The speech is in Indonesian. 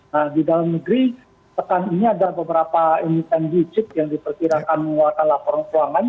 nah di dalam negeri pekan ini ada beberapa emiten digit yang diperkirakan mengeluarkan laporan keuangan